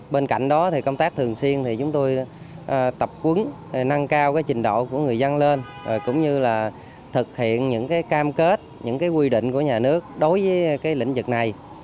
bên cạnh đó thì công tác thường xuyên thì chúng tôi tập quấn nâng cao trình độ của người dân lên cũng như là thực hiện những cam kết những quy định của nhà nước đối với lĩnh vực này